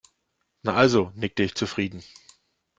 Na also, nickte ich zufrieden.